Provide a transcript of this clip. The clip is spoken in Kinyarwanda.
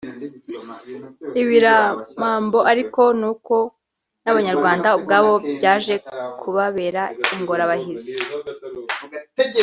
ibiramambo ariko nuko n’Abanyarwanda ubwabo byaje kubabera ingorabahizi